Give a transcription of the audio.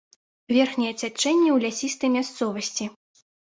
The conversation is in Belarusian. Верхняе цячэнне ў лясістай мясцовасці.